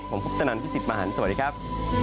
ผมคุปตนันพี่สิทธิมหันฯสวัสดีครับ